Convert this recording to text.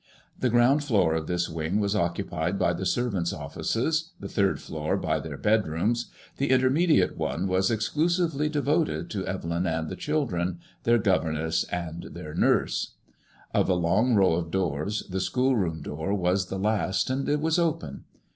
The ground floor of this wing was occupied by the servants' offices, the third floor by their bed rooms ; the intermediate one was exclusively devoted to Evelyn UADBMOlSJtLLS IXE. 95 and the children, their governess and their nurse* Of a long row of doorsy the schoolroom door was the last, and it was open.